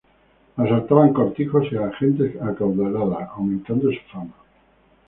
Asaltaban cortijos y a gentes acaudaladas, aumentando su fama.